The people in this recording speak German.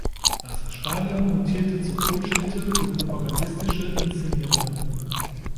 Das Stadion mutierte zur Kultstätte für propagandistische Inszenierungen.